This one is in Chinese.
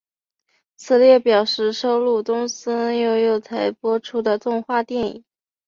此列表示收录东森幼幼台播出过的动画电影。